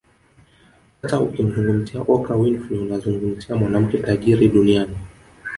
Sasa ukimzungumzia Oprah Winfrey unamzungumzia mwanamke tajiri Duniani